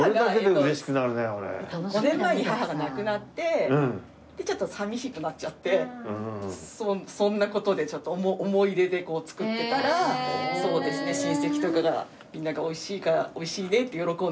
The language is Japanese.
５年前に母が亡くなってちょっと寂しくなっちゃってそんな事でちょっと思い出でこう作ってたらそうですね親戚とかがみんなが美味しいねって喜んでくれて。